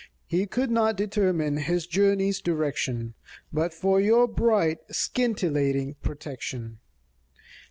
He could not determine his journey's direction But for your bright scintillating protection.